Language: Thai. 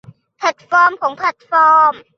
แพลตฟอร์มของแพลตฟอร์ม